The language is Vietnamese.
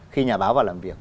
khi nhà báo vào làm việc